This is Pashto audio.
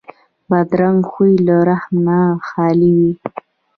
بدرنګه خوی له رحم نه خالي وي